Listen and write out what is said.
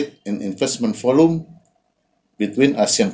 volume investasi dan perbelanjaan